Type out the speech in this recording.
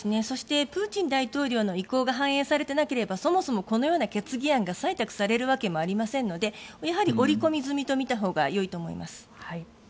そして、プーチン大統領の意向が反映されていなければそもそも、このような決議案が採択されるわけもありませんのでやはり織り込み済みと見たほうがいいと思います。